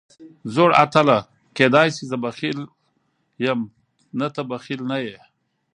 زوړ اتله، کېدای شي زه بخیل یم، نه ته بخیل نه یې.